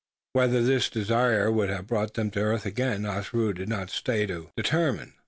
Whether this desire would have brought them to the earth again, Ossaroo did not stay to determine.